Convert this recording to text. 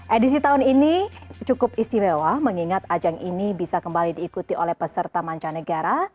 edisi tahun ini cukup istimewa mengingat ajang ini bisa kembali diikuti oleh peserta mancanegara